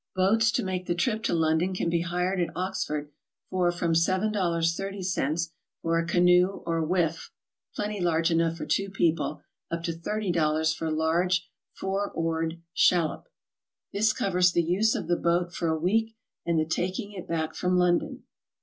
Boats to make the trip to London can be hired at Ox ford for from $7..30 for a canoe or whiff (plenty large enough for two people) up to $30 for a large four oared shallop. This covers the use of the boat for a week and the taking it back from London.